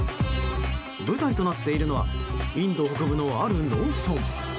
舞台となっているのはインド北部のある農村。